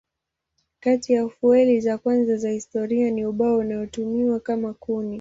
Kati ya fueli za kwanza za historia ni ubao inayotumiwa kama kuni.